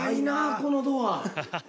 このドア。